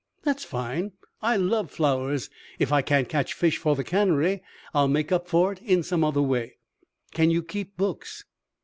"That's fine! I love flowers. If I can't catch fish for the cannery, I'll make up for it in some other way." "Can you keep books?"